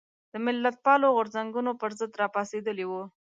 د ملتپالو غورځنګونو پر ضد راپاڅېدلي وو.